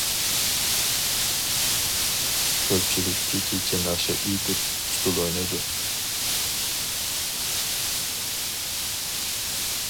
كۆپچىلىك كېچىچە ناخشا ئېيتىپ، ئۇسسۇل ئوينايدۇ.